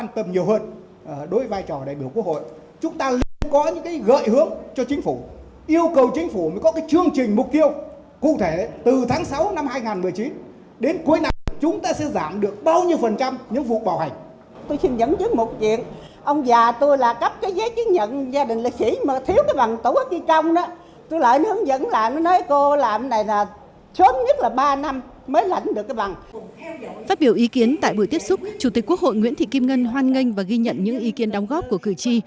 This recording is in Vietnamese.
tại buổi tiếp xúc chủ tịch quốc hội nguyễn thị kim ngân hoan nghênh và ghi nhận những ý kiến đóng góp của cử tri